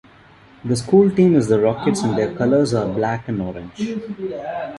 The school team is the Rockets and their colors are black and orange.